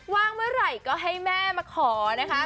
ว่างเมื่อไหร่ก็ให้แม่มาขอนะคะ